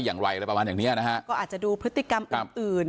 อะไรอะไรประมาณอย่างเนี้ยนะฮะก็อาจจะดูพฤติกรรมอื่นอื่น